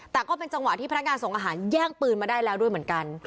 แต่ก็เป็นจังหวะที่พนักงานส่งอาหารแย่งปืนมาได้แล้วด้วยเหมือนกัน